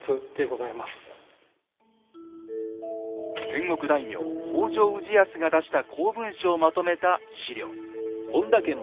戦国大名北条氏康が出した公文書をまとめた史料。